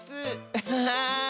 アハハー！